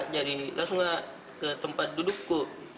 jadi langsung ke tempat duduk kak